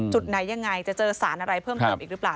จุดไหนยังไงจะเจอสารอะไรเพิ่มเติมอีกหรือเปล่า